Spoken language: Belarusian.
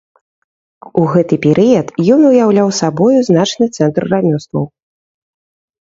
У гэты перыяд ён уяўляў сабою значны цэнтр рамёстваў.